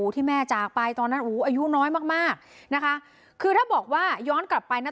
ที่แม่จากไปตอนนั้นอู๋อายุน้อยมากมากนะคะคือถ้าบอกว่าย้อนกลับไปนะ